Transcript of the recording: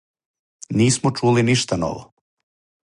Нисмо чули ништа ново.